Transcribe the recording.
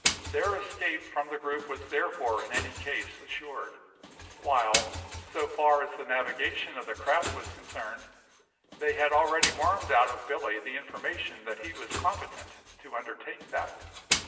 Their escape from the group was therefore in any case assured; while, so far as the navigation of the craft was concerned, they had already wormed out of Billy the information that he was competent to undertake that.